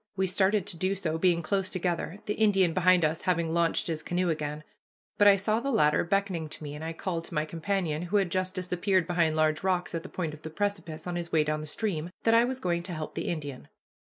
We started to do so, being close together, the Indian behind us having launched his canoe again, but I saw the latter beckoning to me, and I called to my companion, who had just disappeared behind large rocks at the point of the precipice on his way down the stream, that I was going to help the Indian.